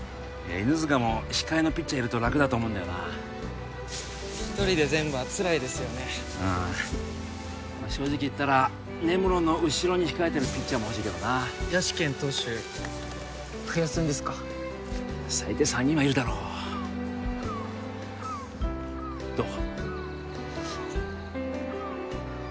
犬塚も控えのピッチャーいると楽だと思うんだよな一人で全部はつらいですよねああまあ正直言ったら根室の後ろに控えてるピッチャーも欲しいけどな野手兼投手増やすんですか最低３人はいるだろうどう？